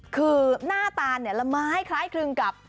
คือหน้าตาลละม้ายคล้ายครึ่งกับ